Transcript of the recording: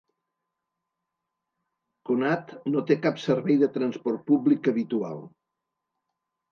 Conat no té cap servei de transport públic habitual.